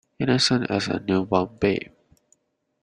Innocent as a new born babe.